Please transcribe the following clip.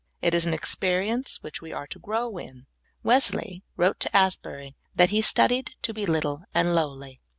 It is an experience which we are to grow in. Wesley wrote to Asbury that he studied to be little and lowly.